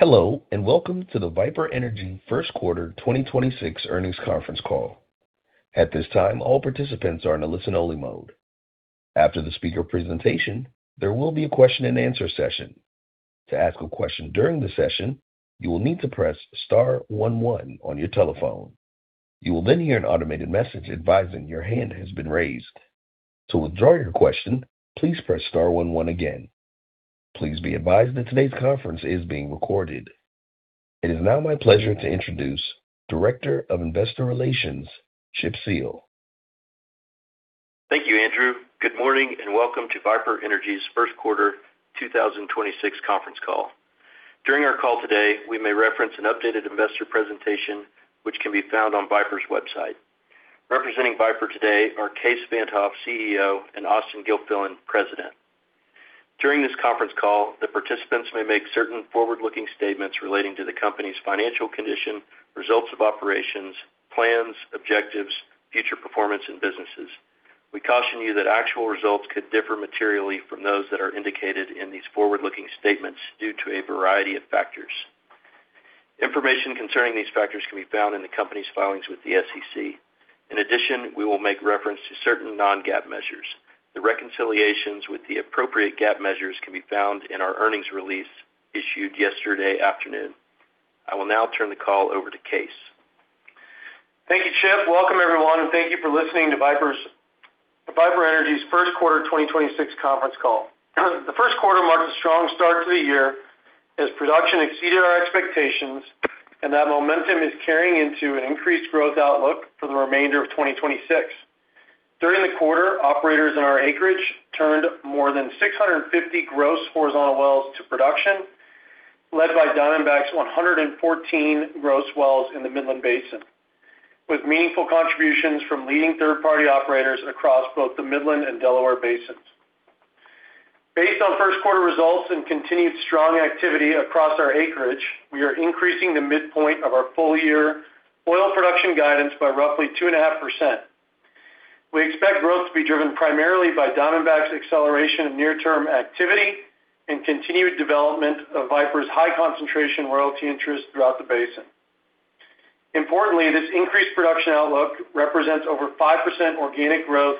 Hello, and welcome to the Viper Energy first quarter 2026 earnings conference call. At this time all participants are on listen-only mode. After the speaker presentation, there will be question and answer session. To ask a question during the session, you will need to press star one one on your telephone. You will then hear an automated message advising that your hand has been raised. To withdraw your question please press star one one again. Please be advised that today's conference is being recorded. It is now my pleasure to introduce Director of Investor Relations, Chip Seale. Thank you, Andrew. Good morning, and welcome to Viper Energy's first quarter 2026 conference call. During our call today, we may reference an updated investor presentation which can be found on Viper's website. Representing Viper today are Kaes Van't Hof, CEO, and Austen Gilfillian, President. During this conference call, the participants may make certain forward-looking statements relating to the company's financial condition, results of operations, plans, objectives, future performance, and businesses. We caution you that actual results could differ materially from those that are indicated in these forward-looking statements due to a variety of factors. Information concerning these factors can be found in the company's filings with the SEC. In addition, we will make reference to certain non-GAAP measures. The reconciliations with the appropriate GAAP measures can be found in our earnings release issued yesterday afternoon. I will now turn the call over to Kaes. Thank you, Chip. Welcome, everyone, and thank you for listening to Viper Energy's first quarter 2026 conference call. The first quarter marked a strong start to the year as production exceeded our expectations, and that momentum is carrying into an increased growth outlook for the remainder of 2026. During the quarter, operators in our acreage turned more than 650 gross horizontal wells to production, led by Diamondback's 114 gross wells in the Midland Basin, with meaningful contributions from leading third-party operators across both the Midland and Delaware Basins. Based on first quarter results and continued strong activity across our acreage, we are increasing the midpoint of our full year oil production guidance by roughly 2.5%. We expect growth to be driven primarily by Diamondback's acceleration of near-term activity and continued development of Viper's high concentration royalty interest throughout the basin. Importantly, this increased production outlook represents over 5% organic growth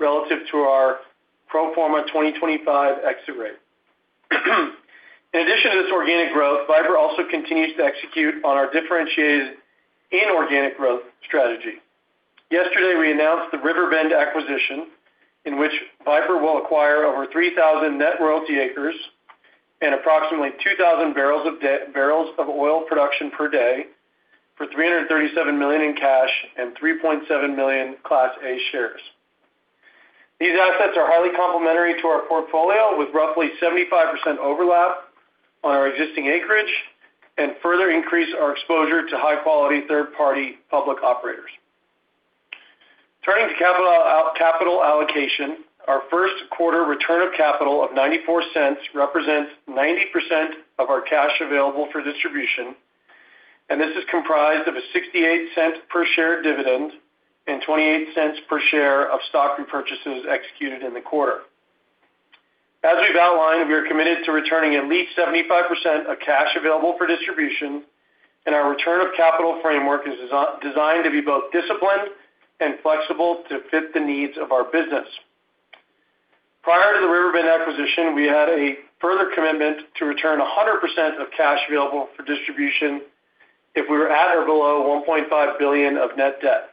relative to our pro forma 2025 exit rate. In addition to this organic growth, Viper also continues to execute on our differentiated inorganic growth strategy. Yesterday, we announced the Riverbend acquisition, in which Viper will acquire over 3,000 net royalty acres and approximately 2,000 barrels of oil production per day for $337 million in cash and 3.7 million Class A shares. These assets are highly complementary to our portfolio, with roughly 75% overlap on our existing acreage and further increase our exposure to high-quality third-party public operators. Turning to capital allocation, our first quarter return of capital of $0.94 represents 90% of our cash available for distribution. This is comprised of a $0.68 per share dividend and $0.28 per share of stock repurchases executed in the quarter. As we've outlined, we are committed to returning at least 75% of cash available for distribution, our return of capital framework is designed to be both disciplined and flexible to fit the needs of our business. Prior to the Riverbend acquisition, we had a further commitment to return 100% of cash available for distribution if we were at or below $1.5 billion of net debt.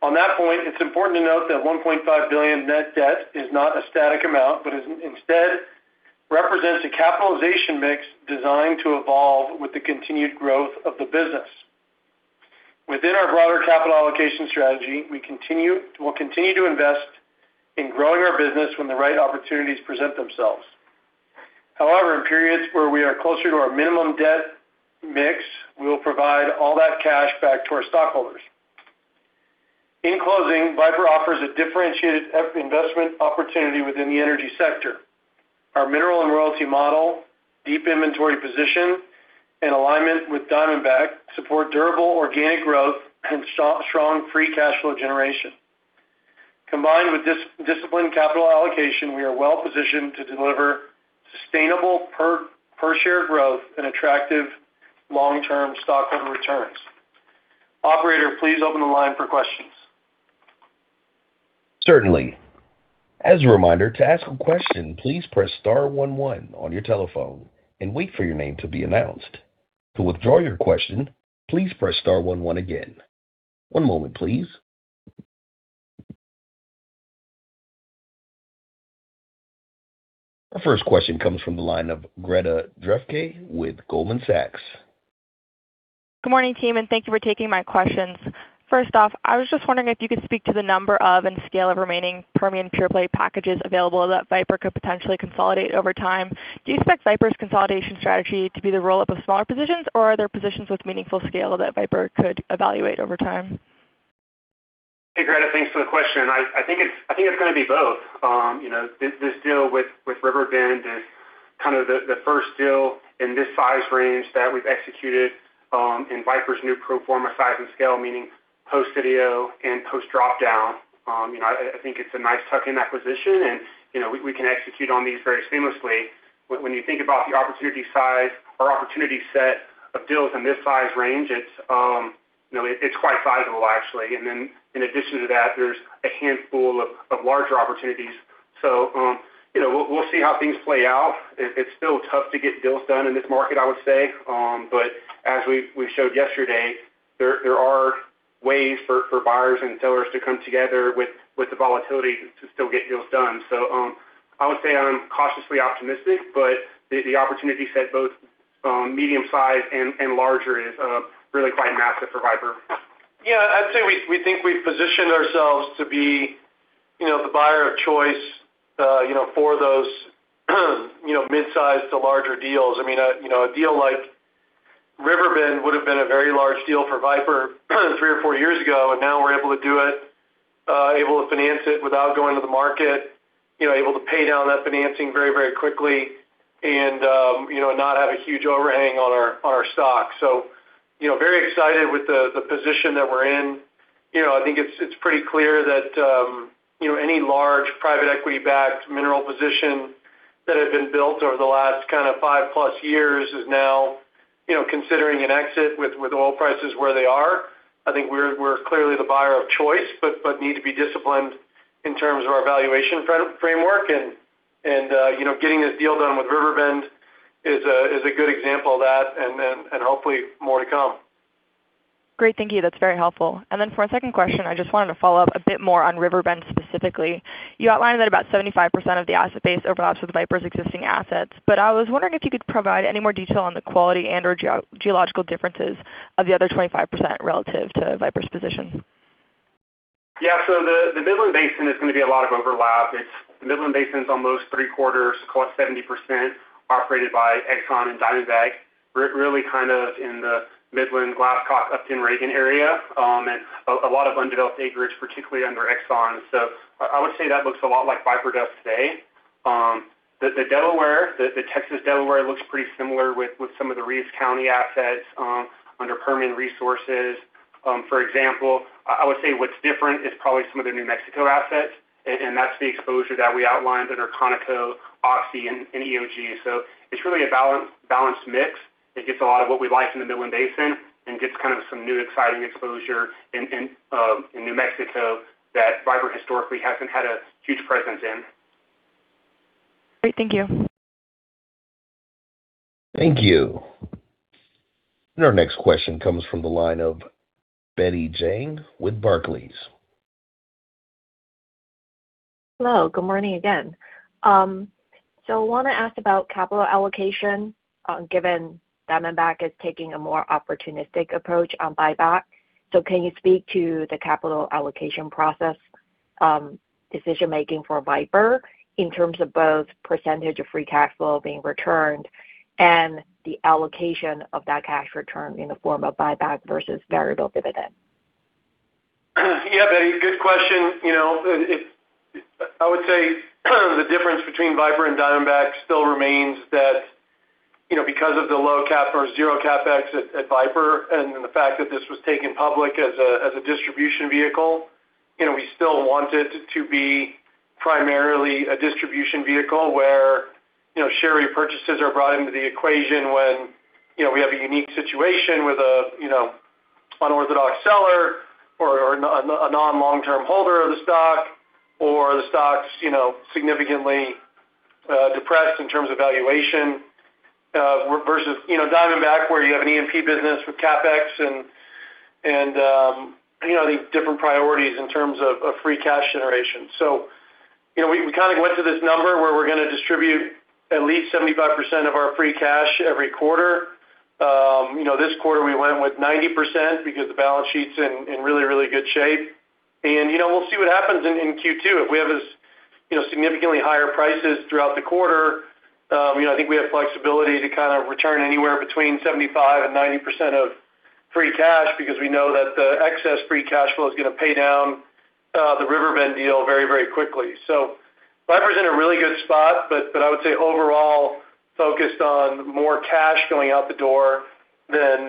On that point, it's important to note that $1.5 billion net debt is not a static amount but instead represents a capitalization mix designed to evolve with the continued growth of the business. Within our broader capital allocation strategy, we'll continue to invest in growing our business when the right opportunities present themselves. In periods where we are closer to our minimum debt mix, we will provide all that cash back to our stockholders. In closing, Viper offers a differentiated investment opportunity within the energy sector. Our mineral and royalty model, deep inventory position, and alignment with Diamondback support durable organic growth and strong free cash flow generation. Combined with disciplined capital allocation, we are well-positioned to deliver sustainable per share growth and attractive long-term stockholder returns. Operator, please open the line for questions. Certainly. As a reminder, to ask a question, please press star one one on your telephone and wait for your name to be announced. To withdraw your question, please press star one one again. One moment, please. Our first question comes from the line of Greta Drefke with Goldman Sachs. Good morning, team. Thank you for taking my questions. First off, I was just wondering if you could speak to the number of and scale of remaining Permian pure play packages available that Viper could potentially consolidate over time. Do you expect Viper's consolidation strategy to be the roll-up of smaller positions or are there positions with meaningful scale that Viper could evaluate over time? Hey, Greta, thanks for the question. I think it's gonna be both. You know, this deal with Riverbend is kind of the first deal in this size range that we've executed in Viper's new pro forma size and scale, meaning post-Sitio and post-drop-down. You know, I think it's a nice tuck-in acquisition and, you know, we can execute on these very seamlessly. When you think about the opportunity size or opportunity set of deals in this size range, it's, you know, it's quite sizable actually. In addition to that, there's a handful of larger opportunities. You know, we'll see how things play out. It's still tough to get deals done in this market, I would say. As we showed yesterday, there are ways for buyers and sellers to come together with the volatility to still get deals done. I would say I'm cautiously optimistic, but the opportunity set both medium size and larger is really quite massive for Viper. Yeah. I'd say we think we've positioned ourselves to be, you know, the buyer of choice, you know, for those, you know, mid-sized to larger deals. I mean, a, you know, a deal like Riverbend would've been a very large deal for Viper three or four years ago, now we're able to do it, able to finance it without going to the market, you know, able to pay down that financing very, very quickly and, you know, not have a huge overhang on our, on our stock. You know, very excited with the position that we're in. You know, I think it's pretty clear that, you know, any large private equity backed mineral position that had been built over the last kind of five plus years is now, you know, considering an exit with oil prices where they are. I think we're clearly the buyer of choice, but need to be disciplined in terms of our valuation framework. You know, getting this deal done with Riverbend is a good example of that, hopefully more to come. Great. Thank you. That's very helpful. For my second question, I just wanted to follow up a bit more on Riverbend specifically. You outlined that about 75% of the asset base overlaps with Viper's existing assets, but I was wondering if you could provide any more detail on the quality and/or geological differences of the other 25% relative to Viper's position. Yeah. The Midland Basin is gonna be a lot of overlap. It's Midland Basin's almost three-quarters, close to 70% operated by Exxon and Diamondback, really kind of in the Midland, Glasscock, Upton, Reagan area, and a lot of undeveloped acreage, particularly under Exxon. I would say that looks a lot like Viper does today. The Delaware, the Texas Delaware looks pretty similar with some of the Reeves County assets under Permian Resources, for example. I would say what's different is probably some of the New Mexico assets and that's the exposure that we outlined under Conoco, Oxy, and EOG. It's really a balanced mix. It gets a lot of what we like in the Midland Basin and gets kind of some new exciting exposure in New Mexico that Viper historically hasn't had a huge presence in. Great. Thank you. Thank you. Our next question comes from the line of Betty Jiang with Barclays. Hello, good morning again. Wanna ask about capital allocation, given Diamondback is taking a more opportunistic approach on buyback. Can you speak to the capital allocation process, decision-making for Viper in terms of both percentage of free cash flow being returned and the allocation of that cash return in the form of buyback versus variable dividend? Yeah, Betty. Good question. You know, I would say the difference between Viper and Diamondback still remains that, you know, because of the low CapEx or zero CapEx at Viper and the fact that this was taken public as a distribution vehicle, you know, we still want it to be primarily a distribution vehicle where, you know, share repurchases are brought into the equation when, you know, we have a unique situation with an unorthodox seller or a non-long-term holder of the stock or the stock's, you know, significantly depressed in terms of valuation versus, you know, Diamondback where you have an E&P business with CapEx and, you know, the different priorities in terms of free cash generation. You know, we kind of went to this number where we're gonna distribute at least 75% of our free cash every quarter. You know, this quarter we went with 90% because the balance sheet's in really good shape. You know, we'll see what happens in Q2. If we have as, you know, significantly higher prices throughout the quarter, you know, I think we have flexibility to kind of return anywhere between 75% and 90% of free cash because we know that the excess free cash flow is gonna pay down the Riverbend deal very quickly. Viper's in a really good spot, but I would say overall focused on more cash going out the door than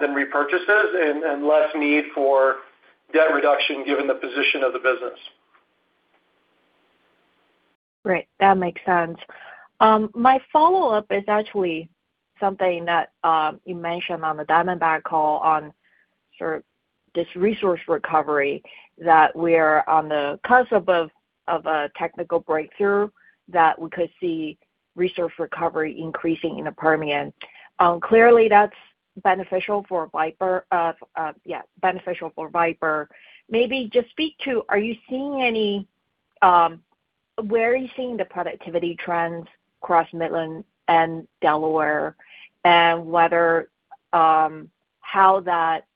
repurchases and less need for debt reduction given the position of the business. Great. That makes sense. My follow-up is actually something that you mentioned on the Diamondback call on sort of this resource recovery that we are on the cusp of a technical breakthrough that we could see resource recovery increasing in the Permian. Clearly that's beneficial for Viper. Maybe just speak to where are you seeing the productivity trends across Midland and Delaware, and whether how that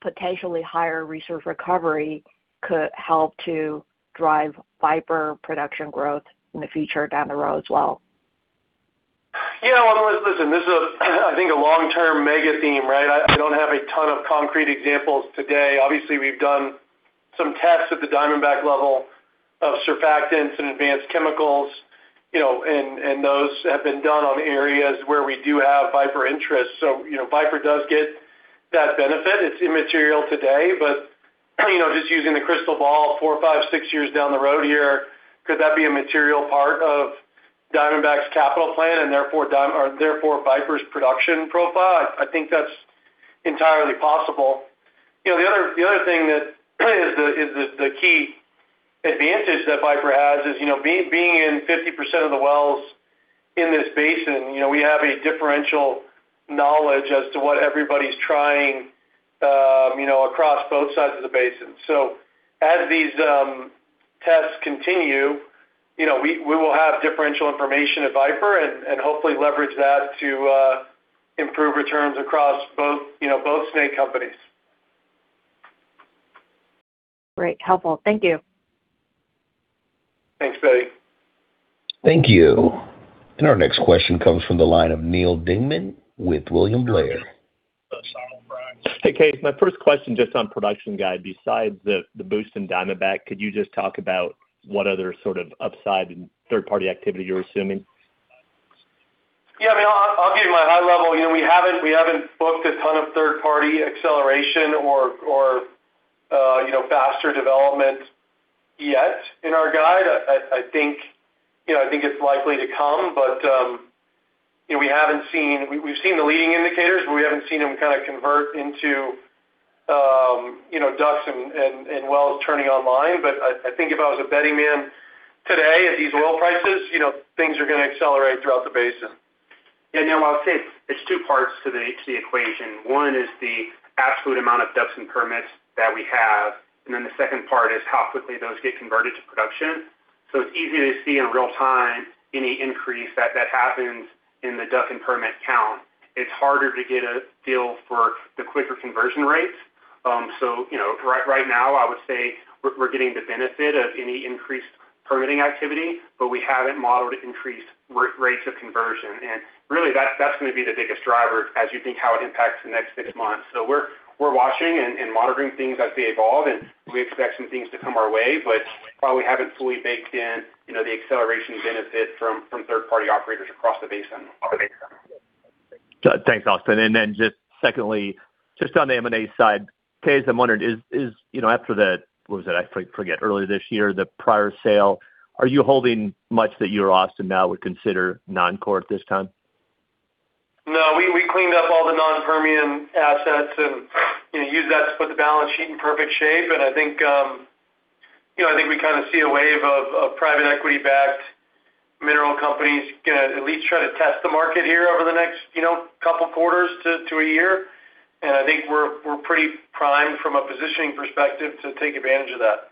potentially higher resource recovery could help to drive Viper production growth in the future down the road as well? Yeah, well, listen, this is a, I think a long-term mega theme, right? I don't have a ton of concrete examples today. Obviously, we've done some tests at the Diamondback level of surfactants and advanced chemicals, you know, and those have been done on areas where we do have Viper interest. You know, Viper does get that benefit. It's immaterial today, but, you know, just using the crystal ball four, five, six years down the road here, could that be a material part of Diamondback's capital plan or therefore Viper's production profile? I think that's entirely possible. You know, the other thing that is the, is the key advantage that Viper has is, you know, being in 50% of the wells in this basin, you know, we have a differential knowledge as to what everybody's trying, you know, across both sides of the basin. As these tests continue, you know, we will have differential information at Viper and hopefully leverage that to improve returns across both snake companies. Great. Helpful. Thank you. Thanks, Betty. Thank you. Our next question comes from the line of Neal Dingmann with William Blair. Hey, Kaes. My first question just on production guide. Besides the boost in Diamondback, could you just talk about what other sort of upside and third-party activity you're assuming? Yeah, I mean, I'll give you my high level. You know, we haven't booked a ton of third-party acceleration or, you know, faster development yet in our guide. I think, you know, I think it's likely to come. You know, we haven't seen, we've seen the leading indicators, but we haven't seen them kind of convert into, you know, DUCs and wells turning online. I think if I was a betting man today at these oil prices, you know, things are gonna accelerate throughout the basin. I would say it's two parts to the equation. One is the absolute amount of DUCs and permits that we have, the second part is how quickly those get converted to production. It's easy to see in real time any increase that happens in the DUC and permit count. It's harder to get a feel for the quicker conversion rates. You know, right now, I would say we're getting the benefit of any increased permitting activity, but we haven't modeled increased rates of conversion. Really, that's gonna be the biggest driver as you think how it impacts the next six months. We're watching and monitoring things as they evolve, and we expect some things to come our way, but probably haven't fully baked in, you know, the acceleration benefit from third-party operators across the basin. Thanks, Austen. Secondly, just on the M&A side, Kaes, I'm wondering is, you know, after the What was it? I forget. Earlier this year, the prior sale, are you holding much that you or Austen now would consider non-core at this time? No. We cleaned up all the non-Permian assets, you know, used that to put the balance sheet in perfect shape. I think, you know, I think we kind of see a wave of private equity-backed mineral companies gonna at least try to test the market here over the next, you know, couple quarters to a year. I think we're pretty primed from a positioning perspective to take advantage of that.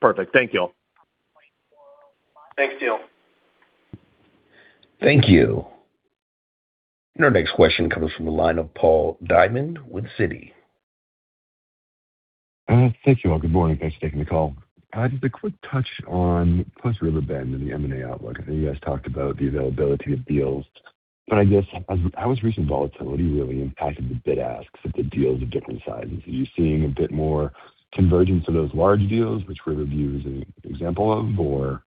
Perfect. Thank y'all. Thanks, Neal. Thank you. Our next question comes from the line of Paul Diamond with Citi. Thank you all. Good morning. Thanks for taking the call. Just a quick touch on plus Riverbend and the M&A outlook. I know you guys talked about the availability of deals, but I guess how has recent volatility really impacted the bid-asks of the deals of different sizes? Are you seeing a bit more convergence of those large deals, which Riverbend is an example of, or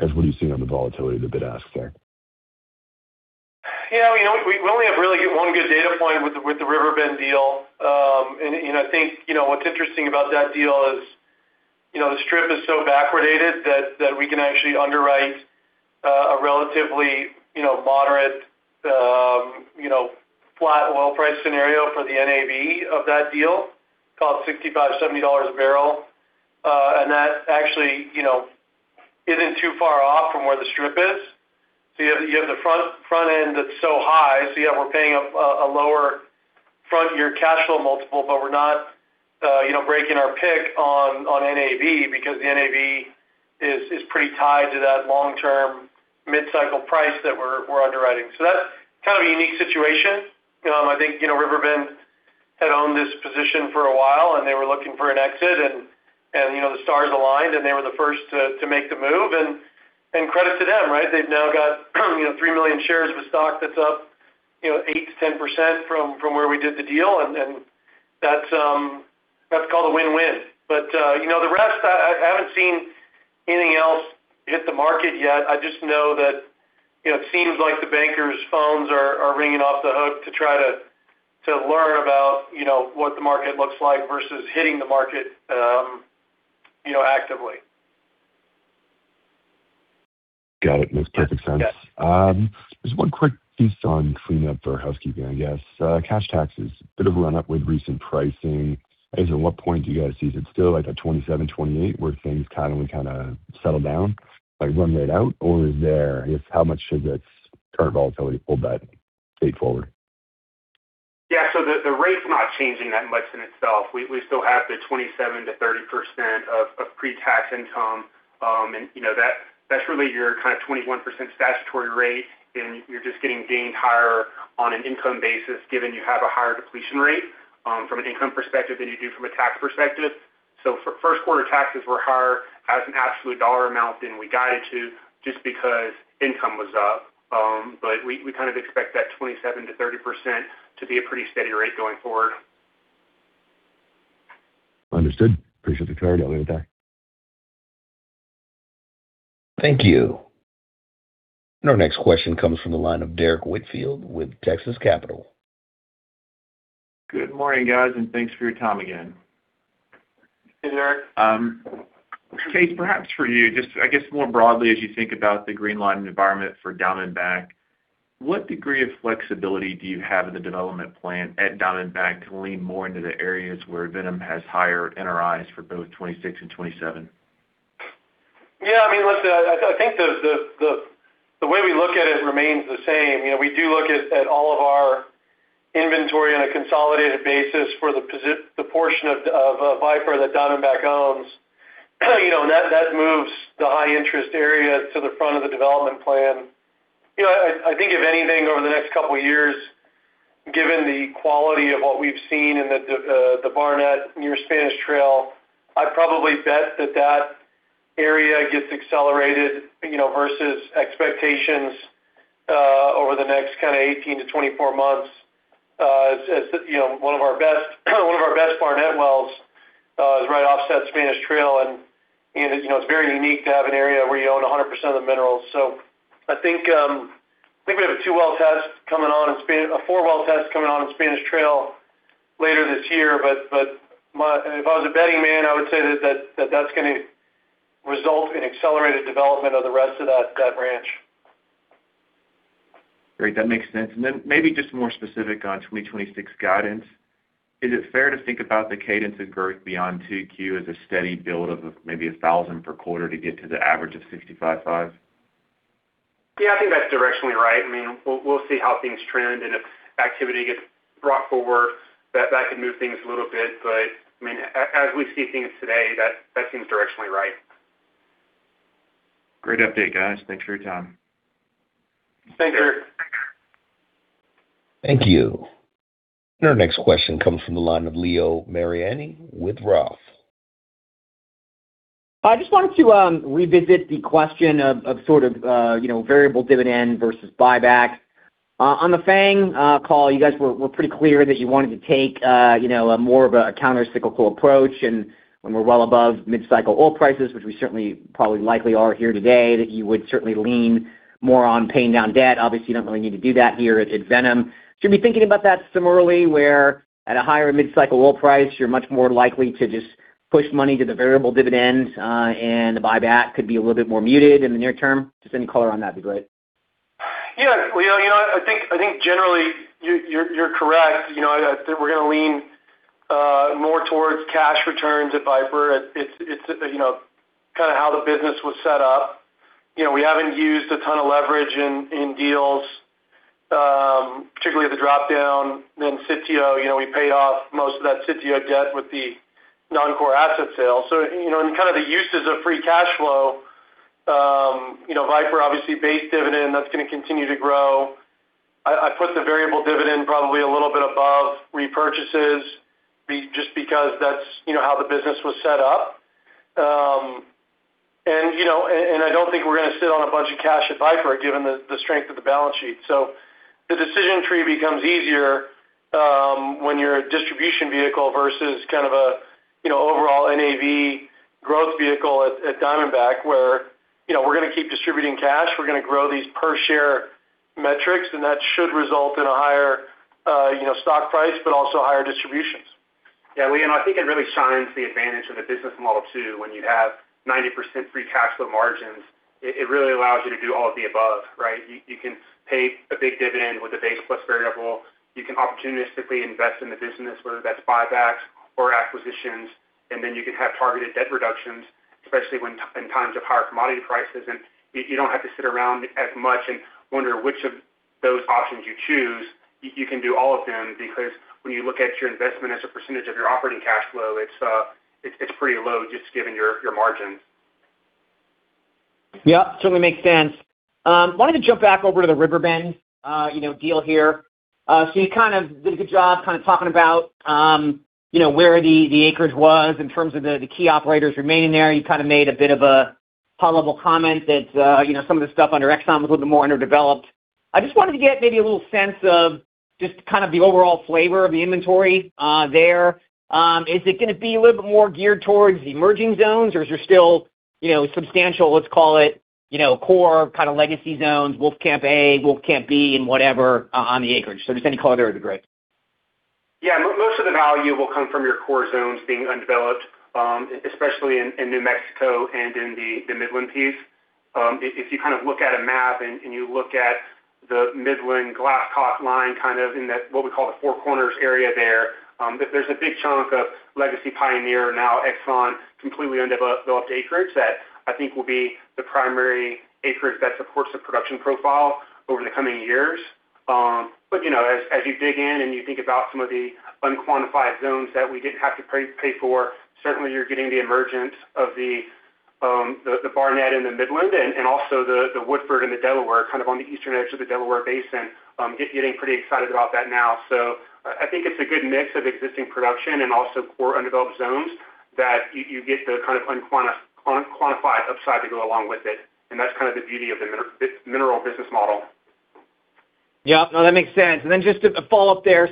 as what are you seeing on the volatility of the bid-asks there? Yeah, you know, we only have really one good data point with the Riverbend deal. You know, I think, you know, what's interesting about that deal is, you know, the strip is so backwardated that we can actually underwrite a relatively, you know, moderate, you know, flat oil price scenario for the NAV of that deal, call it $65-$70 a barrel. That actually, you know, isn't too far off from where the strip is. You have the front end that's so high, yeah, we're paying a lower front year cash flow multiple, we're not, you know, breaking our pick on NAV because the NAV is pretty tied to that long-term mid-cycle price that we're underwriting. That's kind of a unique situation. I think, you know, Riverbend had owned this position for a while, and they were looking for an exit, and, you know, the stars aligned, and they were the first to make the move. Credit to them, right? They've now got, you know, 3 million shares of a stock that's up, you know, 8%-10% from where we did the deal. That's called a win-win. You know, the rest, I haven't seen anything else hit the market yet. I just know that, you know, it seems like the bankers' phones are ringing off the hook to try to learn about, you know, what the market looks like versus hitting the market, you know, actively. Got it. Makes perfect sense. Yeah. Just one quick piece on cleanup or housekeeping, I guess. Cash taxes. Bit of a run up with recent pricing. I guess at what point do you guys see is it still like a 27, 28, where things kind of settle down, like run rate out? Is there, I guess, how much should this current volatility pull that forward? Yeah. The, the rate's not changing that much in itself. We, we still have the 27%-30% of pre-tax income. You know, that's really your kind of 21% statutory rate, and you're just getting dinged higher on an income basis given you have a higher depletion rate, from an income perspective than you do from a tax perspective. For first quarter taxes were higher as an absolute dollar amount than we guided to just because income was up. We kind of expect that 27%-30% to be a pretty steady rate going forward. Understood. Appreciate the clarity. I'll leave it there. Thank you. Our next question comes from the line of Derrick Whitfield with Texas Capital. Good morning, guys, and thanks for your time again. Hey, Derrick. Kaes, perhaps for you, just I guess more broadly, as you think about the green line environment for Diamondback, what degree of flexibility do you have in the development plan at Diamondback to lean more into the areas where Viper has higher NRIs for both 2026 and 2027? Yeah, I mean, listen, I think the way we look at it remains the same. You know, we do look at all of our inventory on a consolidated basis for the portion of Viper that Diamondback owns. You know, that moves the high interest area to the front of the development plan. You know, I think if anything, over the next two years, given the quality of what we've seen in the Barnett near Spanish Trail, I'd probably bet that area gets accelerated, you know, versus expectations over the next kind of 18-24 months. As you know, one of our best Barnett wells is right offset Spanish Trail, and, you know, it's very unique to have an area where you own 100% of the minerals. I think, I think we have a two-well test coming on in a four-well test coming on in Spanish Trail later this year. If I was a betting man, I would say that's gonna result in accelerated development of the rest of that ranch. Great. That makes sense. Maybe just more specific on 2026 guidance. Is it fair to think about the cadence of growth beyond 2Q as a steady build of maybe 1,000 per quarter to get to the average of 65.5? Yeah, I think that's directionally right. I mean, we'll see how things trend and if activity gets brought forward, that could move things a little bit. I mean, as we see things today, that seems directionally right. Great update, guys. Thanks for your time. Thanks, Derrick. Thank you. Our next question comes from the line of Leo Mariani with ROTH. I just wanted to, you know, revisit the question of sort of variable dividend versus buyback. On the FANG call, you guys were pretty clear that you wanted to take, you know, more of a countercyclical approach. When we're well above mid-cycle oil prices, which we certainly probably likely are here today, that you would certainly lean more on paying down debt. Obviously, you don't really need to do that here at Viper. Should we be thinking about that similarly, where at a higher mid-cycle oil price, you're much more likely to just push money to the variable dividends, and the buyback could be a little bit more muted in the near term? Just any color on that'd be great. Yeah. Leo, you know, I think generally you're correct, you know, that we're gonna lean more towards cash returns at Viper. It's, you know, kind of how the business was set up. You know, we haven't used a ton of leverage in deals, particularly at the drop-down than Sitio. You know, we paid off most of that Sitio debt with the non-core asset sale. You know, and kind of the uses of free cash flow, you know, Viper obviously base dividend, that's gonna continue to grow. I put the variable dividend probably a little bit above repurchases just because that's, you know, how the business was set up. You know, I don't think we're gonna sit on a bunch of cash at Viper given the strength of the balance sheet. The decision tree becomes easier, when you're a distribution vehicle versus kind of a, you know, overall NAV growth vehicle at Diamondback, where, you know, we're gonna keep distributing cash, we're gonna grow these per share metrics, and that should result in a higher, you know, stock price, but also higher distributions. Yeah. Leo, I think it really shines the advantage of the business model too. When you have 90% free cash flow margins, it really allows you to do all of the above, right? You, you can pay a big dividend with a base plus variable. You can opportunistically invest in the business, whether that's buybacks or acquisitions, then you can have targeted debt reductions, especially when in times of higher commodity prices. You, you don't have to sit around as much and wonder which of those options you choose. You can do all of them because when you look at your investment as a percentage of your operating cash flow, it's pretty low just given your margins. Yeah, certainly makes sense. Wanted to jump back over to the Riverbend, you know, deal here. You kind of did a good job kind of talking about, you know, where the acres was in terms of the key operators remaining there. You kind of made a bit of a high level comment that, you know, some of the stuff under Exxon was a little bit more underdeveloped. I just wanted to get maybe a little sense of just kind of the overall flavor of the inventory there. Is it gonna be a little bit more geared towards the emerging zones, or is there still, you know, substantial, let's call it, you know, core kind of legacy zones, Wolfcamp A, Wolfcamp B, and whatever on the acreage? Just any color there would be great. Yeah. Most of the value will come from your core zones being undeveloped, especially in New Mexico and in the Midland piece. If you kind of look at a map and you look at the Midland Glasscock line, kind of in the, what we call the Four Corners area there's a big chunk of legacy Pioneer now ExxonMobil completely undeveloped acreage that I think will be the primary acreage that supports the production profile over the coming years. You know, as you dig in and you think about some of the unquantified zones that we didn't have to pay for, certainly you're getting the emergence of the The Barnett and the Midland and also the Woodford and the Delaware, kind of on the eastern edge of the Delaware Basin, getting pretty excited about that now. I think it's a good mix of existing production and also core undeveloped zones that you get the kind of unquantified upside to go along with it. That's kind of the beauty of this mineral business model. Yeah. No, that makes sense. Just a follow-up there.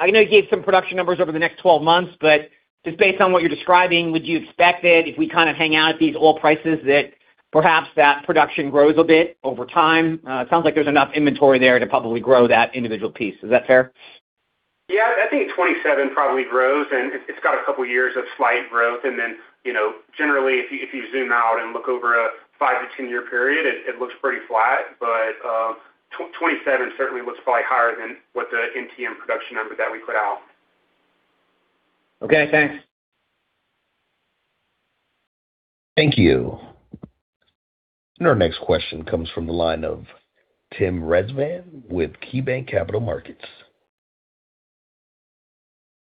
I know you gave some production numbers over the next 12 months, but just based on what you're describing, would you expect that if we kind of hang out at these oil prices that perhaps that production grows a bit over time? It sounds like there's enough inventory there to probably grow that individual piece. Is that fair? Yeah. I think 27 probably grows and it's got a couple years of slight growth. You know, generally, if you zoom out and look over a 5-10-year period, it looks pretty flat. 27 certainly looks probably higher than what the NTM production number that we put out. Okay, thanks. Thank you. Our next question comes from the line of Tim Rezvan with KeyBanc Capital Markets.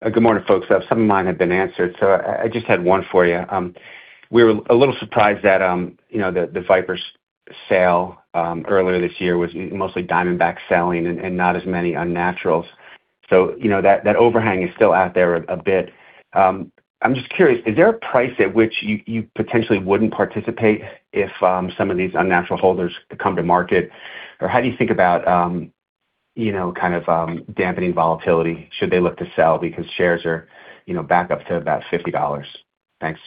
Good morning, folks. Some of mine have been answered, so I just had one for you. We were a little surprised that, you know, the Viper's sale earlier this year was mostly Diamondback selling and not as many unnaturals. You know, that overhang is still out there a bit. I'm just curious, is there a price at which you potentially wouldn't participate if some of these unnatural holders come to market? Or how do you think about, you know, kind of dampening volatility should they look to sell because shares are, you know, back up to about $50? Thanks.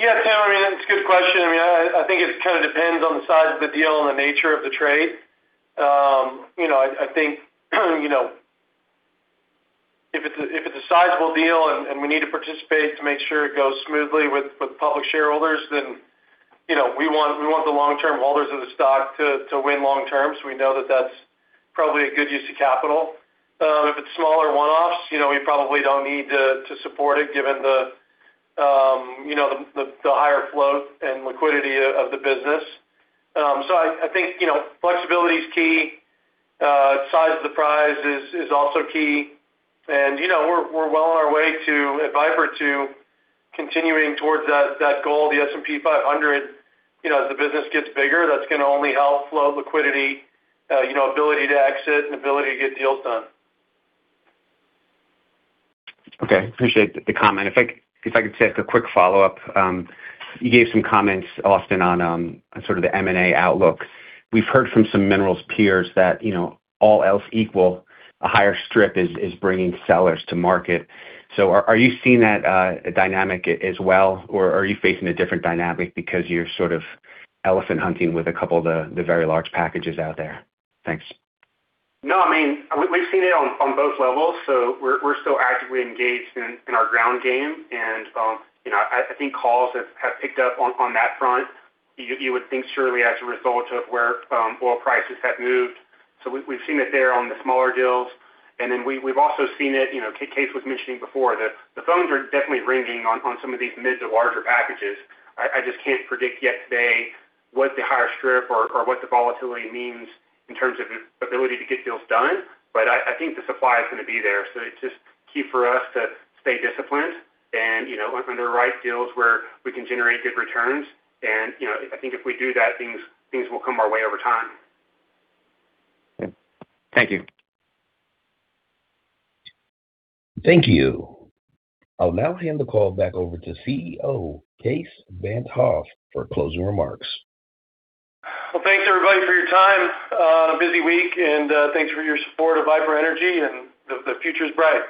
Yeah, Tim, I mean, that's a good question. I mean, I think it kind of depends on the size of the deal and the nature of the trade. You know, I think, you know, if it's a sizable deal and we need to participate to make sure it goes smoothly with public shareholders, you know, we want the long-term holders of the stock to win long term. We know that that's probably a good use of capital. If it's smaller one-offs, you know, we probably don't need to support it given the, you know, the higher float and liquidity of the business. I think, you know, flexibility is key. Size of the prize is also key. You know, we're well on our way to, at Viper, to continuing towards that goal, the S&P 500. You know, as the business gets bigger, that's gonna only help flow liquidity, you know, ability to exit and ability to get deals done. Appreciate the comment. I could just ask a quick follow-up. You gave some comments, Austen, on sort of the M&A outlook. We've heard from some minerals peers that, you know, all else equal, a higher strip is bringing sellers to market. Are you seeing that dynamic as well, or are you facing a different dynamic because you're sort of elephant hunting with a couple of the very large packages out there? Thanks. No, I mean, we've seen it on both levels. We're still actively engaged in our ground game. You know, I think calls have picked up on that front. You would think surely as a result of where oil prices have moved. We've seen it there on the smaller deals. We've also seen it, you know, Kaes was mentioning before, the phones are definitely ringing on some of these mid to larger packages. I just can't predict yet today what the higher strip or what the volatility means in terms of ability to get deals done. I think the supply is gonna be there. It's just key for us to stay disciplined and, you know, look under the right deals where we can generate good returns. You know, I think if we do that, things will come our way over time. Okay. Thank you. Thank you. I'll now hand the call back over to CEO, Kaes Van't Hof, for closing remarks. Well, thanks everybody for your time on a busy week, and thanks for your support of Viper Energy, and the future is bright.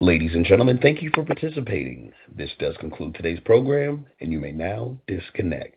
Ladies and gentlemen, thank you for participating. This does conclude today's program, and you may now disconnect.